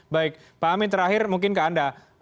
baik pak amin terakhir mungkin ke anda